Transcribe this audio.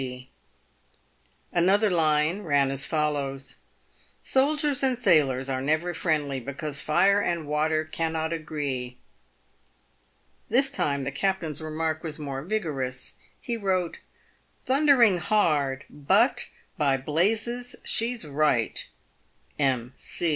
C." Another line ran as follows :" Soldiers and sailors are never friendly, because fire and water cannot agree." This time the captain's remark was more vigorous. He wrote :" Thundering hard ; but by blazes she's right !— M.